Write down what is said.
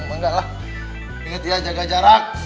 neng jangan jarak